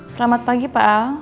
selamat pagi pak al